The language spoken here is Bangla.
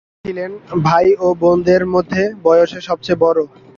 তিনি ছিলেন ভাই ও বোনদের মধ্যে বয়সে সবচেয়ে বড়।